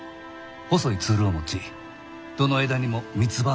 細いツルを持ちどの枝にも三葉の葉が出る。